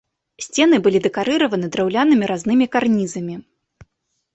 Сцены былі дэкарыраваны драўлянымі разнымі карнізамі.